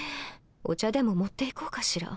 お茶でも持って行こうかしら。